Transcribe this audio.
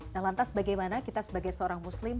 nah lantas bagaimana kita sebagai seorang muslim